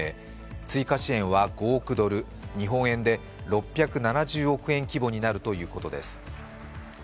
追加支援は５億ドル、日本円で６７０億円規模になるということです